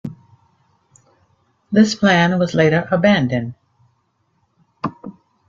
This plan was later abandoned.